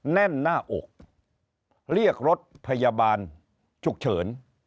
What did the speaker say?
แน่นหน้าอกเรียกรถพยาบาลฉุกเฉิน